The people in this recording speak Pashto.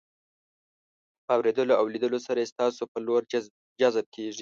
په اورېدو او لیدو سره یې ستاسو په لور جذب کیږي.